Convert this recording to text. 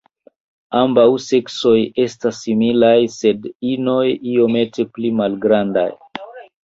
Ambaŭ seksoj esta similaj sed inoj iomete pli malgrandaj.